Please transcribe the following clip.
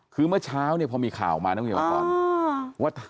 คือเมื่อเช้าพอมีข่าวมานะวิวาคอน